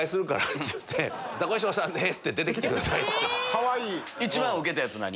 かわいい！